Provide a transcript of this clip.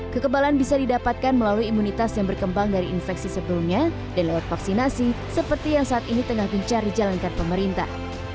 kekebalan bisa didapatkan melalui imunitas yang berkembang dari infeksi sebelumnya dan lewat vaksinasi seperti yang saat ini tengah gencar dijalankan pemerintah